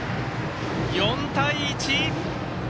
４対１。